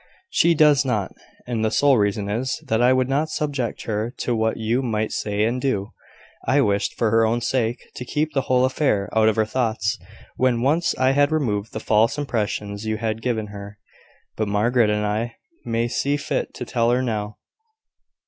"She does not; and the sole reason is, that I would not subject her to what you might say and do. I wished, for her own sake, to keep the whole affair out of her thoughts, when once I had removed the false impressions you had given her. But Margaret and I may see fit to tell her now.